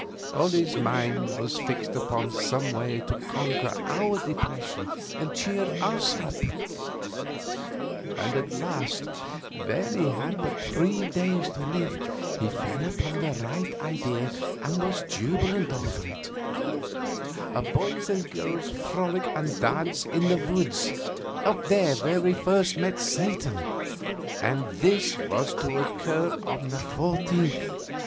All his mind was fixed upon finding some way to conquer our depression and cheer us up; and at last, when he had but three days to live, he fell upon the right idea and was jubilant over it a boys and girls' frolic and dance in the woods, up there where we first met Satan, and this was to occur on the 14th.